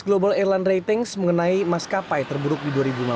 global airline ratings mengenai maskapai terburuk di dua ribu lima belas